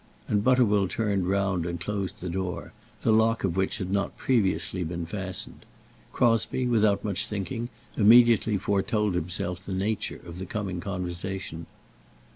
And Butterwell turned round and closed the door, the lock of which had not previously been fastened. Crosbie, without much thinking, immediately foretold himself the nature of the coming conversation.